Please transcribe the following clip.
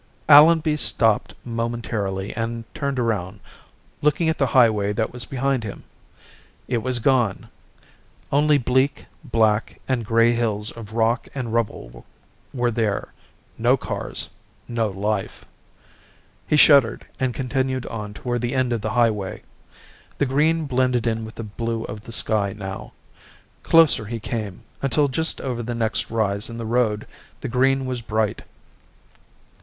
Allenby stopped momentarily and turned around, looking at the highway that was behind him. It was gone. Only bleak, black and gray hills of rock and rubble were there, no cars, no life. He shuddered and continued on toward the end of the highway. The green blended in with the blue of the sky now. Closer he came, until just over the next rise in the road the green was bright.